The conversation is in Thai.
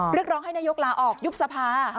เรียกร้องให้นายกลาออกยุบสภา